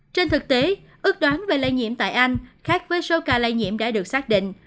trên thực tế ước đoán về lây nhiễm tại anh khác với số ca lây nhiễm đã được xác định